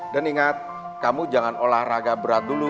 dan ingat kamu jangan olahraga berat dulu